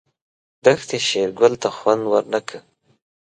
دښتې شېرګل ته خوند ورنه کړ.